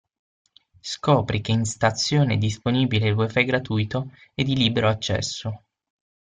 Scopri che in stazione è disponibile il wi-fi gratuito e di libero accesso!